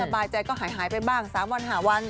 ไม่สบายใจก็หายไปบ้าง๓วันหาวัน